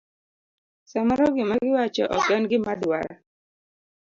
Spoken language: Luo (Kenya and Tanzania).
Samoro gima giwacho ok en gima dwara.